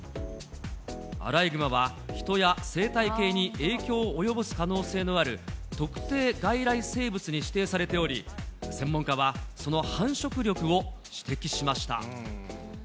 アライグマは人や生態系に影響を及ぼす可能性のある、特定外来生物に指定されており、専門家は、その繁殖力を指摘しました。